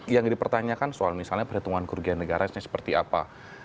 yang dipertanyakan soal misalnya perhitungan kerugian negara ini seperti apa